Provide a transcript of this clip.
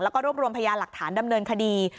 แล้วก็รวบรวมพยานหลักฐานดำเนินคดี